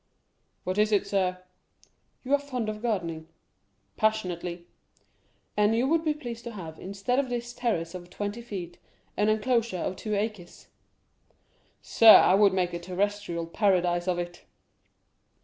"What is it, sir?" "You are fond of gardening?" "Passionately." "And you would be pleased to have, instead of this terrace of twenty feet, an enclosure of two acres?" "Sir, I should make a terrestrial paradise of it."